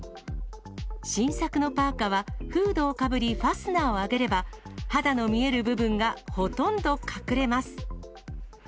新作のパーカは、フードをかぶり、ファスナーを開ければ、肌の見える部分がほとんど隠れます。